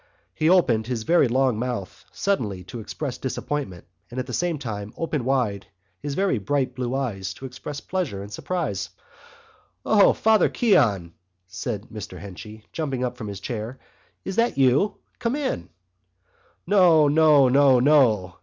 He opened his very long mouth suddenly to express disappointment and at the same time opened wide his very bright blue eyes to express pleasure and surprise. "O Father Keon!" said Mr Henchy, jumping up from his chair. "Is that you? Come in!" "O, no, no, no!"